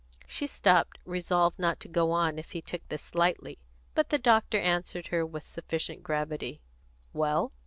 She stopped, resolved not to go on if he took this lightly, but the doctor answered her with sufficient gravity: "Well?"